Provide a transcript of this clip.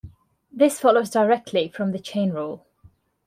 This follows directly from the chain rule.